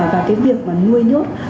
và cái việc nuôi nhốt